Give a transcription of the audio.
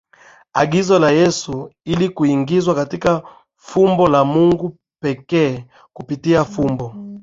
agizo la Yesu ili kuingizwa katika fumbo la Mungu pekee kupitia fumbo